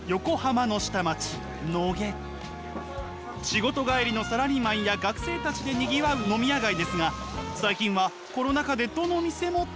仕事帰りのサラリーマンや学生たちでにぎわう飲み屋街ですが最近はコロナ禍でどの店も大変なようです。